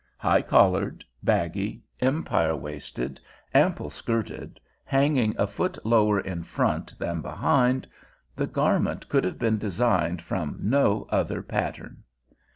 High collared, baggy, empire waisted, ample skirted, hanging a foot lower in front than behind, the garment could have been designed from no other pattern.